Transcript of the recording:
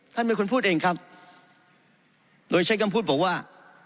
ท่านเป็นคนพูดเองครับโดยใช้คำพูดบอกว่า